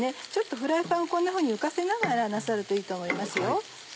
フライパンをこんなふうに浮かせながらなさるといいと思いますよ。